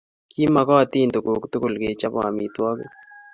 Kimakotin tukuk tugul kechope amitwogik